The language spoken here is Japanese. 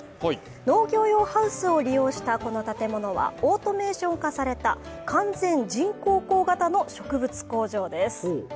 農業用ハウスを利用したこの建物は、この建物はオートメーション化された、完全人工光型の植物工場です。